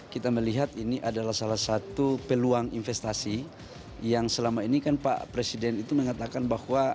kita melihat ini adalah salah satu peluang investasi yang selama ini kan pak presiden itu mengatakan bahwa